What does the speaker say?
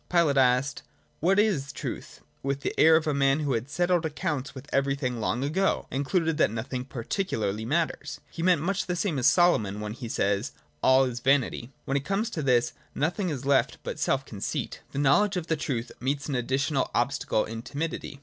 Pilate asked ' What is truth ?' with the air of a man who had settled accounts with everything long ago, and concluded that nothing particularly matters :— he meant much the same as Solomon when he says :' All is vanity.' When it comes to this, nothing is left but self conceit. The knowledge of the truth meets an additional obstacle in timidity.